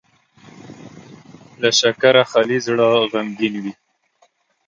له شکره خالي زړه غمګين وي.